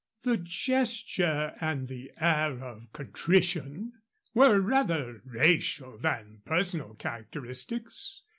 The gesture and the air of contrition were rather racial than personal characteristics.